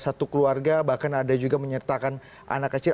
satu keluarga bahkan ada juga menyertakan anak kecil